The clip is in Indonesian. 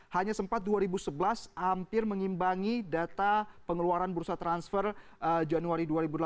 hanya sempat dua ribu sebelas hampir mengimbangi data pengeluaran bursa transfer januari dua ribu delapan belas